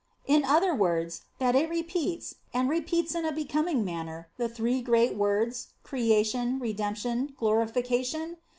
in other words, that it repeats, and repeats in a becoming manner, the three great words, Creation, Redemption, Glorification